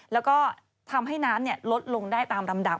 แล้วก็ทำให้น้ำลดลงได้ตามลำดับ